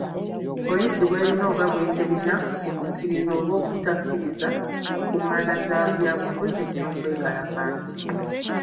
Poliisi bw’erina oba bw’eterina ku kukkiriza oba obutakkiriza nkung’aana za byabufuzi n’okwekalakaasa.